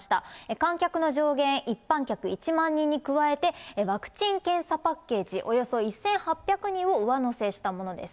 観客の上限、一般客１万人に加えて、ワクチン・検査パッケージおよそ１８００人を上乗せしたものです。